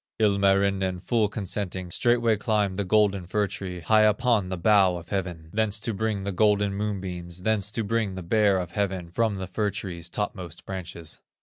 Ilmarinen, full consenting, Straightway climbed the golden fir tree, High upon the bow of heaven, Thence to bring the golden moonbeams, Thence to bring the Bear of heaven, From the fir tree's topmost branches.